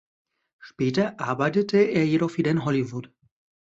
Später arbeitete er jedoch wieder in Hollywood.